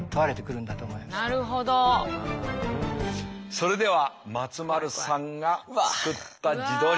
それでは松丸さんが作った自撮り。